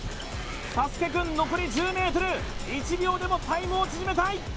サスケくん残り１０ｍ１秒でもタイムを縮めたい！